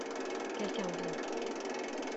Quelqu’un vient.